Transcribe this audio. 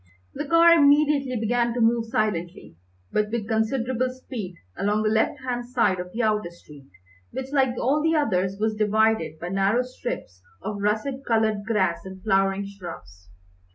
The car immediately began to move silently, but with considerable speed, along the left hand side of the outer street, which, like all the others, was divided by narrow strips of russet coloured grass and flowering shrubs.